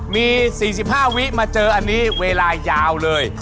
มี๔๕วิมาเจออันนี้เวลายาวเลย